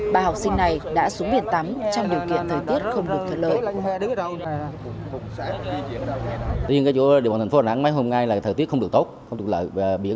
bà học sinh này đã xuống biển tắm trong điều kiện thời tiết không được thở lợi